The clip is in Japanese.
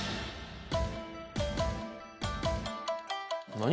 何？